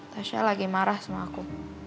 tasya lagi marah sama aku